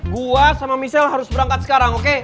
gua sama michelle harus berangkat sekarang oke